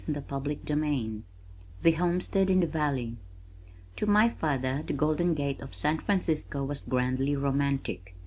CHAPTER XXXV The Homestead in the Valley To my father the Golden Gate of San Francisco was grandly romantic.